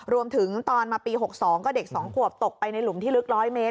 รวมถึงตอนมาปี๖๒ก็เด็ก๒ขวบตกไปในหลุมที่ลึก๑๐๐เมตร